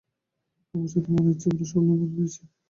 অবচেতন মনের ইচ্ছগুলিও স্বপ্নে ধরা দিয়েছে।